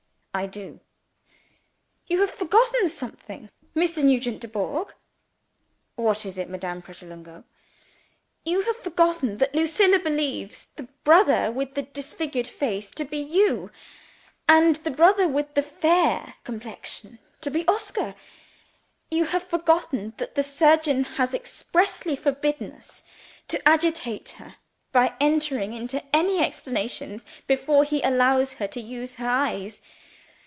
"I do!" "You have forgotten something, Mr. Nugent Dubourg." "What is it, Madame Pratolungo?" "You have forgotten that Lucilla believes the brother with the discolored face to be You, and the brother with the fair complexion to be Oscar. You have forgotten that the surgeon has expressly forbidden us to agitate her by entering into any explanations before he allows her to use her eyes.